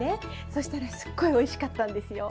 そしたらすっごいおいしかったんですよ。